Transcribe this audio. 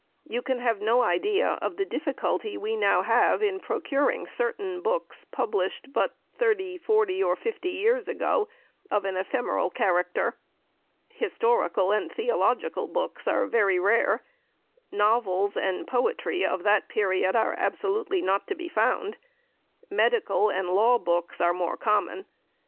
You can have no idea of the difficulty we now have in procuring certain books published but 30, 40, or 50 years ago of an ephemeral character. Historical and theological books are very rare; novels and poetry of that period are absolutely not to be found; medical and law books are more common.